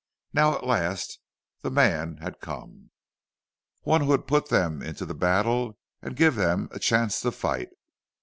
Now at last the man had come—one who would put them into the battle and give them a chance to fight.